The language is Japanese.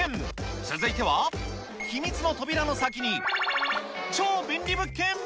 続いては、秘密の扉の先に×××超便利物件。